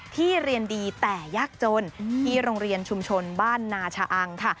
ที่เรียนดีแต่ยากจนที่โรงเรียนชุมชนบ้านนาชะอังค่ะ